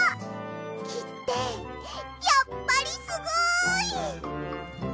きってやっぱりすごい！